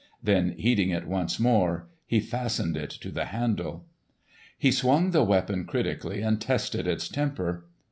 Then heating it once again he fastened it to the handle. He swung the weapon critically and tested its temper.